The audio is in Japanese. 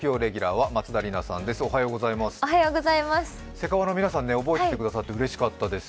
セカオワの皆さん、覚えてくださってうれしかったです。